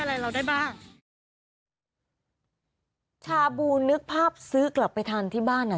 อะไรเราได้บ้างชาบูนึกภาพซื้อกลับไปทานที่บ้านอ่ะ